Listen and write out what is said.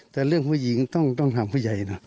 แต่เรื่องผู้หญิงต้องถามผู้ใหญ่นะ